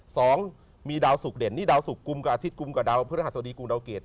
สองมีดาวสุกเด่นนี่ดาวสุกกุมกับอาทิตยกุมกับดาวพฤหัสดีกุมดาวเกรด